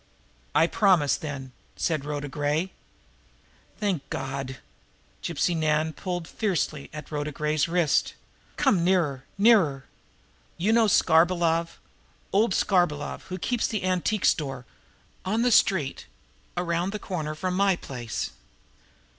"I promise, then," said Rhoda Gray. "Thank God!" Gypsy Nan pulled fiercely at Rhoda Gray's wrist. "Come nearer nearer! You know Skarbolov, old Skarbolov, who keeps the antique store on the street around the corner from my place?"